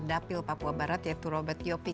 dapil papua barat yaitu robert yopi